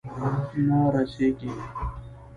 نه رسیږې